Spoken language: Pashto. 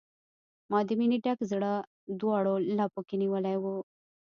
ما د مینې ډک زړه، دواړو لپو کې نیولی و